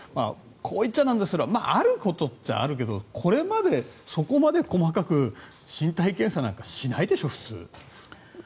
こういっちゃなんですがあることっちゃあるけどこれまでそこまで細かく身体検査なんかしないでしょ普通。